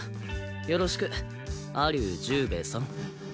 よろしく蟻生十兵衛さん。